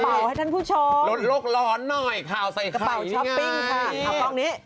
เขาให้ท่านผู้ชมนี้กระเป๋านี้รถโลกร้อนหน่อยขาวใส่ไข่ง่ายนี้ไง